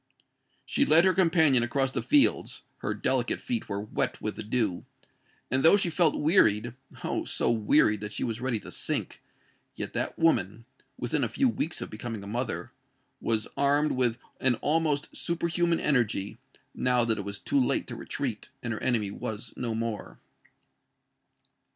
She led her companion across the fields:—her delicate feet were wet with the dew;—and though she felt wearied—oh! so wearied that she was ready to sink,—yet that woman—within a few weeks of becoming a mother—was armed with an almost superhuman energy, now that it was too late to retreat and her enemy was no more.